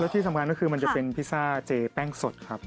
ที่สำคัญก็คือมันจะเป็นพิซซ่าเจแป้งสดครับ